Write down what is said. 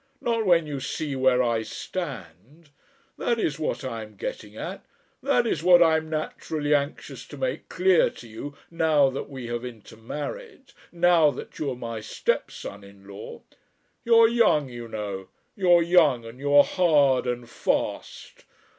Not when you see where I stand. That is what I am getting at. That is what I am naturally anxious to make clear to you now that we have intermarried, now that you are my stepson in law. You're young, you know, you're young, and you're hard and fast.